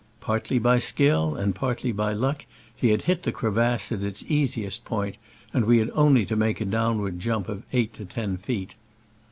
Partly by skill and partly by luck he had hit the crevasse at its easiest point, and we had only to make a downward jump of eight or ten feet.